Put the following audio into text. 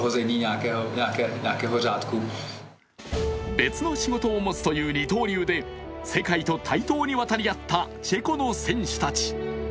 別の仕事を持つという二刀流で世界と対等に渡り合ったチェコの選手たち。